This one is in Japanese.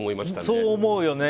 そう思うよね。